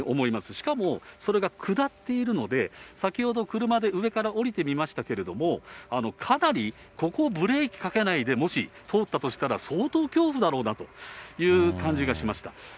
しかもそれが下っているので、先ほど車で上から下りてみましたけれども、かなりここ、ブレーキかけないでもし通ったとしたら、相当恐怖だろうなという感じがしました。